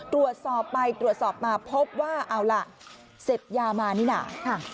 ตรวจสอบไปตรวจสอบมาพบว่าเอาล่ะเสพยามานี่น่ะ